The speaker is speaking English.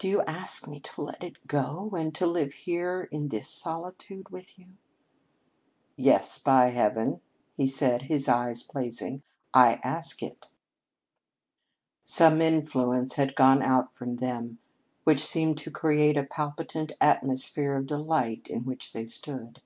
Do you ask me to let it go and to live here in this solitude with you?" "Yes, by heaven," he said, his eyes blazing, "I ask it." Some influence had gone out from them which seemed to create a palpitant atmosphere of delight in which they stood.